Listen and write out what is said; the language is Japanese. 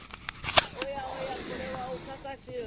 「おやおやこれはおかか衆。